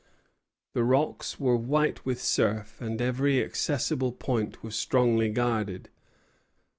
The rocks were white with surf, and every accessible point was strongly guarded.